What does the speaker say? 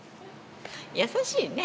優しいね。